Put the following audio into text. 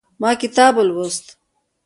ما کتاب ولوست